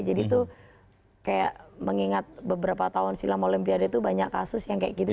jadi itu kayak mengingat beberapa tahun silam olimpiade itu banyak kasus yang kayak gitu